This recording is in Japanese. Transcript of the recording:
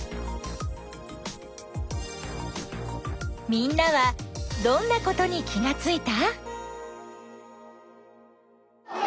みんなはどんなことに気がついた？